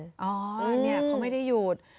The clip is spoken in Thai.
อ๋อเขาไม่ได้หยุด